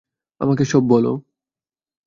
আমাকে সব বলো।